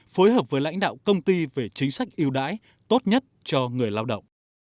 phối hợp với lãnh đạo công ty về chính sách yêu đãi tốt nhất cho người lao động